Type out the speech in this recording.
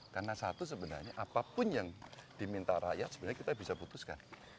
karena satu sebenarnya apapun yang diminta rakyat sebenarnya kita bisa putuskan